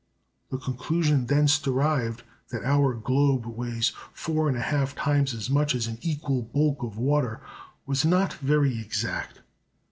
The conclusion thence derived, that our globe weighs 4 1/2 times as much as an equal bulk of water, was not very exact.